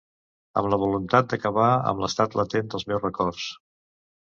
Amb la voluntat d'acabar amb l'estat latent dels meus records.